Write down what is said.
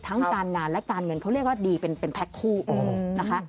การงานและการเงินเขาเรียกว่าดีเป็นแพ็คคู่นะคะ